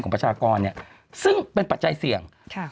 ประชากรเนี่ยซึ่งเป็นปัจจัยเสี่ยง